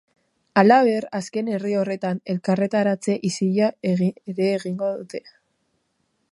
Halaber, azken herri horretan elkarretaratze isila ere egingo dute.